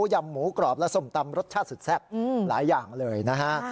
ยำหมูกรอบและส้มตำรสชาติสุดแซ่บหลายอย่างเลยนะฮะ